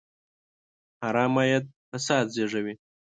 حرام عاید فساد زېږوي.